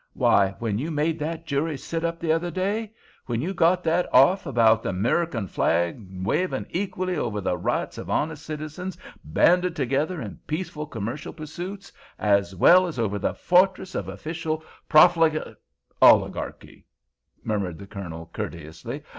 Why, when you made that jury sit up the other day—when you got that off about the Merrikan flag waving equally over the rights of honest citizens banded together in peaceful commercial pursuits, as well as over the fortress of official proflig—" "Oligarchy," murmured the Colonel, courteously.